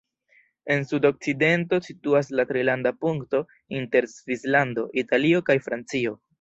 En sudokcidento situas la trilanda punkto inter Svislando, Italio kaj Francio.